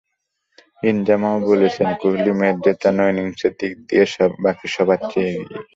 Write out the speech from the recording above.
ইনজামামও বলেছেন, কোহলি ম্যাচ জেতানো ইনিংসের দিক দিয়ে বাকি সবার চেয়ে এগিয়ে।